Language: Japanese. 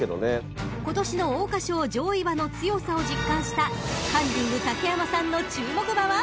［今年の桜花賞上位馬の強さを実感したカンニング竹山さんの注目馬は］